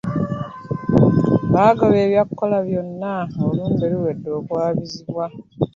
Bagoba ebyokoola byonna ng'olumbe luwedde okwabizibwa.